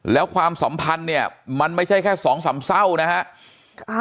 แล้วความสัมพันธ์เนี่ยมันไม่ใช่แค่สองสามเศร้านะฮะ